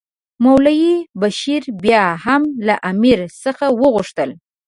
مولوي بشیر بیا هم له امیر څخه وغوښتل.